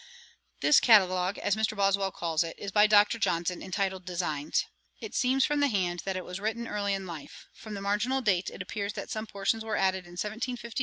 This Catalogue, as Mr. Boswell calls it, is by Dr. Johnson intitled Designs. It seems from the hand that it was written early in life: from the marginal dates it appears that some portions were added in 1752 and 1753.